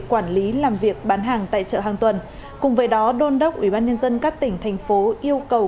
quản lý làm việc bán hàng tại chợ hàng tuần cùng với đó đôn đốc ubnd các tỉnh thành phố yêu cầu